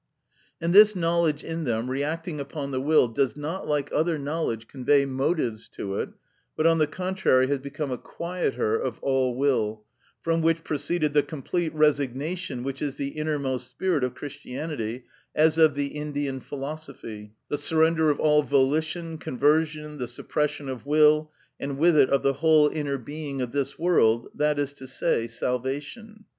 And this knowledge in them, reacting upon the will, does not, like other knowledge, convey motives to it, but on the contrary has become a quieter of all will, from which proceeded the complete resignation, which is the innermost spirit of Christianity, as of the Indian philosophy; the surrender of all volition, conversion, the suppression of will, and with it of the whole inner being of this world, that is to say, salvation.